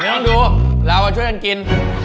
ต้องดูเราช่วยกันกิน